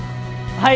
はい。